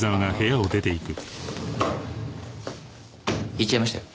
行っちゃいましたよ。